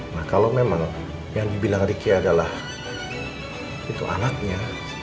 nah kalau memang yang dibilang ricky adalah itu anaknya